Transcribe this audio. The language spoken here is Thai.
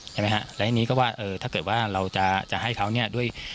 ใช่ไหมครับและทีนี้ก็ว่าถ้าเกิดว่าเราจะให้เขาด้วย